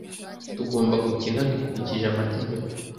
Tugomba gukina dukurikije amategeko.